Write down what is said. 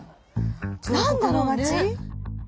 何だろうね。